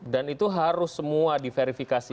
dan itu harus semua diverifikasi